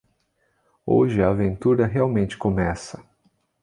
Hoje a aventura realmente começa.